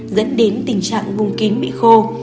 dẫn đến tình trạng vùng kín bị khô